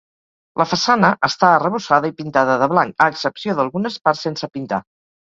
La façana està arrebossada i pintada de blanc, a excepció d'algunes parts sense pintar.